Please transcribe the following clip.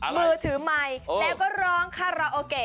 มือถือไมค์แล้วก็ร้องคาราโอเกะ